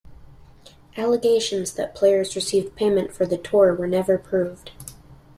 Allegations that players received payment for the tour were never proved.